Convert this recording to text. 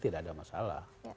tidak ada masalah